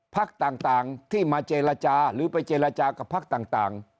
พักต่างที่มาเจรจาหรือไปเจรจากับพักต่าง